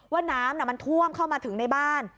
ว่าน้ำมันท่วมเข้ามาถึงในบ้าน